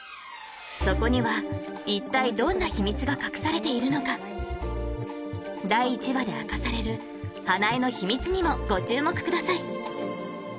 そこには一体どんな秘密が隠されているのか第１話で明かされる花枝の秘密にもご注目ください